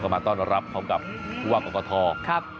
มาต้อนรับกับวัคกะทอครับ